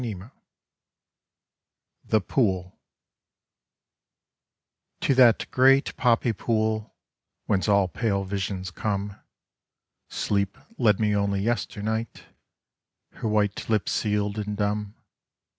THE POOL nr^O that great poppy pool ■ Whence all pale visions coptiei Sleep led me only yesternight, Her white lips sealed and dumb.